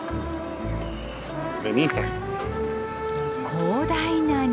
広大な庭。